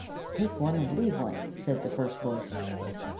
"Take one and leave one," said the first voice.